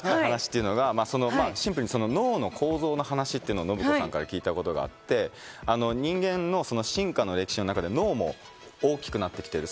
シンプルに脳の構造の話というのを信子さんから聞いたことがあって、人間の進化の歴史の中で脳も大きくなってきてる。